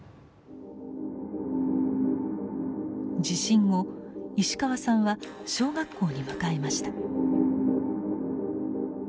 地震後石川さんは小学校に向かいました。